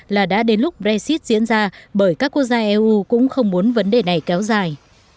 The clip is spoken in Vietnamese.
là đã đến lúc brexit diễn ra bởi các quốc gia eu cũng không muốn vấn đề này kéo dài